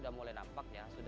aku peninggir kamu